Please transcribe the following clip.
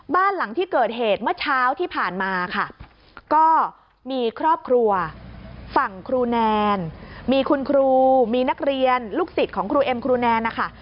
บ้านหลังที่เกิดเหตุเมื่อเช้าที่ผ่านมาค่ะก็มีครอบครัวฝั่งครูแนนมีคุณครูมีนักเรียนลูกศิษย์ของครูเอ็มครูแนนนะคะ